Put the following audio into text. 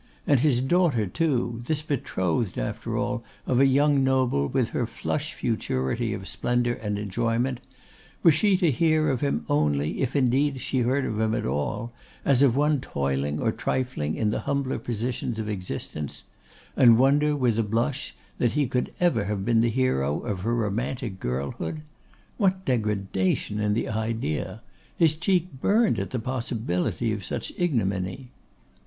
And his daughter, too, this betrothed, after all, of a young noble, with her flush futurity of splendour and enjoyment, was she to hear of him only, if indeed she heard of him at all, as of one toiling or trifling in the humbler positions of existence; and wonder, with a blush, that he ever could have been the hero of her romantic girlhood? What degradation in the idea? His cheek burnt at the possibility of such ignominy!